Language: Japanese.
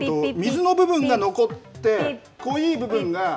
水の部分が残って、濃い部分が。